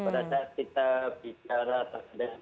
padahal kita bicara tentang apd